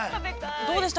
◆どうでした？